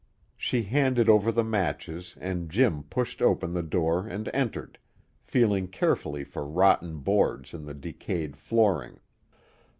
She handed over the matches and Jim pushed open the door and entered, feeling carefully for rotten boards in the decayed flooring.